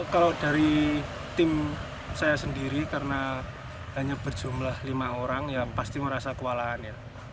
kalau dari tim saya sendiri karena hanya berjumlah lima orang yang pasti merasa kewalahan ya